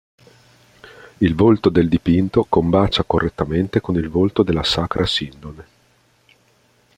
Il volto del dipinto combacia correttamente con il volto della Sacra Sindone.